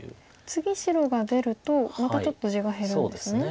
次白が出るとまたちょっと地が減るんですね。